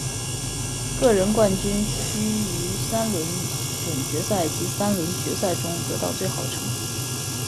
个人冠军需于三轮准决赛及三轮决赛中得到最好的成绩。